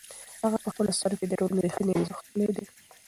هغه په خپلو اثارو کې د ټولنې رښتینی انځور کښلی دی.